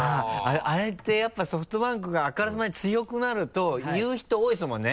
あれってやっぱソフトバンクがあからさまに強くなると言う人多いですもんね。